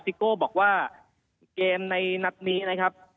โก้บอกว่าเกมในนัดนี้นะครับ